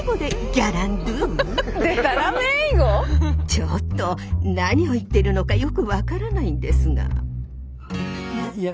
ちょっと何を言ってるのかよく分からないんですが。